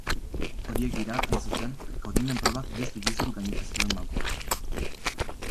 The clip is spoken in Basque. Horiek dira, hain zuzen, kaudimen probak justu-justu gainditu zituzten bankuak.